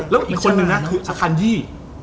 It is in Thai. แล้วอีกคนนึงนะคือสะพานยี่